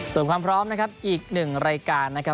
ส่วนความพร้อมนะครับอีกหนึ่งรายการนะครับ